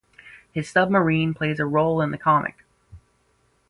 His submarine plays a role in the comic.